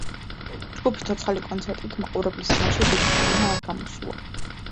ჯგუფი ცოცხალი კონცერტით მაყურებლის წინაშე დიდი ხანია არ გამოსულა.